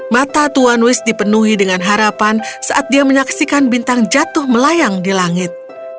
mata tuan wish dipenuhi dengan harapan saat dia menyaksikan bintang jatuh melayang di langit